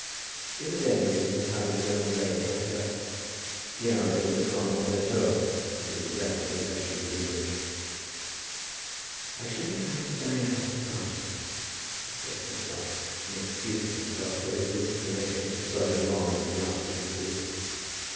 It had ended in his having his own way altogether. The Arabins had gone upon their tour, and he was left in possession of the deanery. "I should not like to die out of Barchester," he said to himself in excuse to himself for his disinclination to sojourn long under the archdeacon's roof.